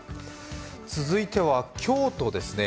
続いては京都ですね